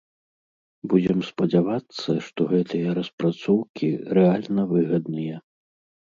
Будзем спадзявацца, што гэтыя распрацоўкі рэальна выгадныя.